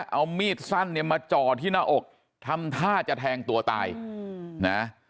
เอามีดสั้นเนี่ยมาจ่อที่หน้าอกทำท่าจะแทงตัวตายนะ